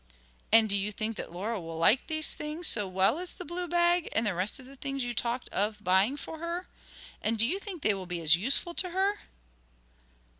'And do you think that Laura will like these things so well as the blue bag, and the rest of the things you talked of buying for her? And do you think they will be as useful to her?'